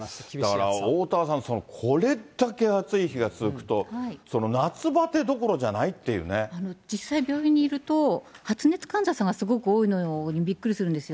ですからおおたわさん、これだけ暑い日が続くと、実際、病院にいると、発熱患者さんがすごく多いのにびっくりするんですよ。